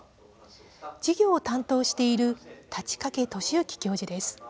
授業を担当している太刀掛俊之教授です。